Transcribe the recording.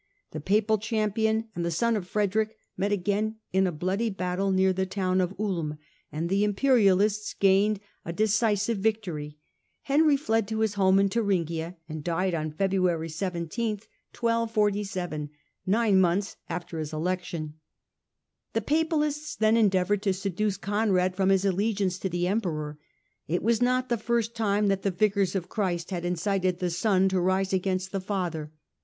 The Papal champion and the son of Frederick met again in a bloody battle near the town of Ulm and the Imperialists gained a THE DEPOSED EMPEROR 253 decisive victory. Henry fled to his home in Thuringia and died on February lyth, 1247, nine months after his election. The Papalists then endeavoured to seduce Conrad from his allegiance to the Emperor : it was not the first time that the Vicars of Christ had incited the son to rise against the father.